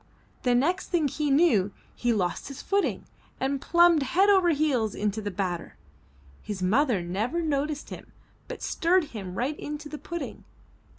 The next thing he knew, he lost his footing and plumped head over heels into the batter. His mother never noticed him but stirred him right into the pudding.